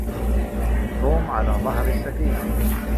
توم على ظهر السفينة.